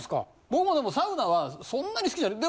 僕もでもサウナはそんなに好きじゃない。